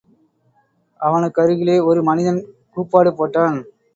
அவனுக்கருகிலே ஒரு மனிதன் கூப்பாடு போட்டான்.